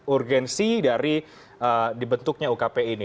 urgensi dari dibentuknya ukp ini